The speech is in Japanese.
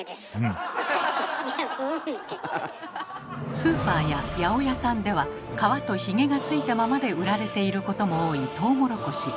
スーパーや八百屋さんでは皮とヒゲがついたままで売られていることも多いトウモロコシ。